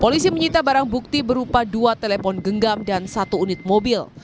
polisi menyita barang bukti berupa dua telepon genggam dan satu unit mobil